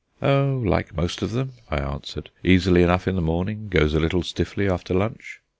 "Oh, like most of them!" I answered; "easily enough in the morning; goes a little stiffly after lunch."